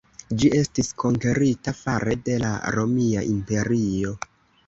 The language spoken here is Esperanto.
Ĝi estis konkerita fare de la Romia Imperio.